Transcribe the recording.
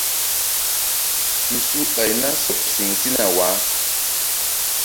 Su su ɓay na sɔɓ siŋ sina waah.